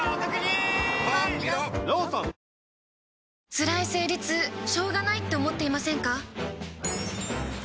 つらい生理痛しょうがないって思っていませんか？